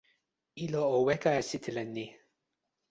ilo o weka e sitelen ni.